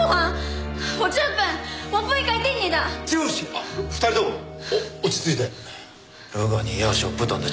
あっ２人ともお落ち着いて。